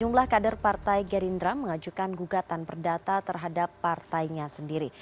jumlah kader partai gerindra mengajukan gugatan perdata terhadap partainya sendiri